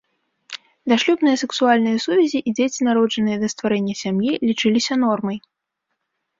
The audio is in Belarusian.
Дашлюбныя сексуальныя сувязі і дзеці, народжаныя да стварэння сям'і, лічыліся нормай.